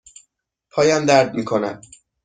پایم درد می کند.